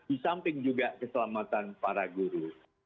di samping juga keselamatan para guru